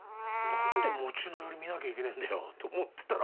何で餅のヨリ見なきゃいけねえんだよと思ってたら。